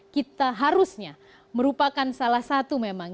kita harusnya merupakan salah satu memang